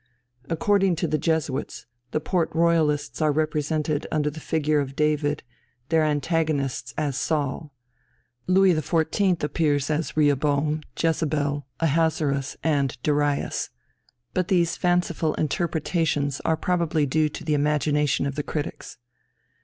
According to the Jesuits, the Port Royalists are represented under the figure of David, their antagonists as Saul. Louis XIV. appears as Rehoboam, Jezebel, Ahasuerus, and Darius. But these fanciful interpretations are probably due to the imagination of the critics.